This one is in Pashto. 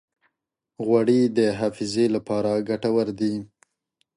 غوړې د حافظې لپاره ګټورې دي.